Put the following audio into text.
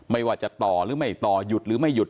ไม่ว่าจะต่อหรือไม่ต่อหยุดหรือไม่หยุด